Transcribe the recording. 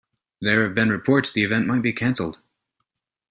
There have been reports the event might be canceled.